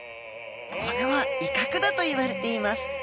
これは威嚇だといわれています。